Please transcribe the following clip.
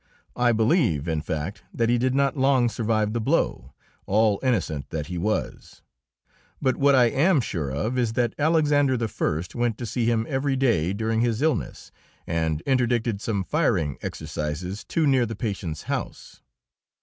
I believe, in fact, that he did not long survive the blow, all innocent that he was. But what I am sure of is that Alexander I. went to see him every day during his illness, and interdicted some firing exercises too near the patient's house.